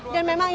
dan memang ini